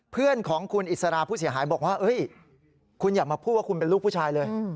เพื่อนของคุณอิสราผู้เสียหายบอกว่าคุณอย่ามาพูดว่าคุณเป็นลูกผู้ชายเลย